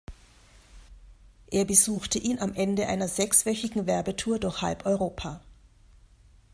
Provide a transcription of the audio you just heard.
Er besuchte ihn am Ende einer sechswöchigen Werbetour durch halb Europa.